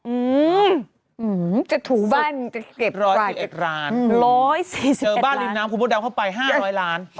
อื้ออออจะถูบ้านจะเก็บรายเอกสุด๑๔๑ล้านจนบ้านรินดามพูดดังเข้าไป๕๐๐ล้าน